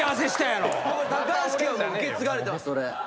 橋家に受け継がれてますそれ。